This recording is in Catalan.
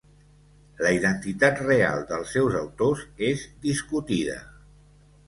La identitat real dels seus autors és discutida.